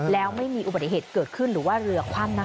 แล้วไม่มีอุบัติเหตุเกิดขึ้นหรือว่าเรือคว่ำนะคะ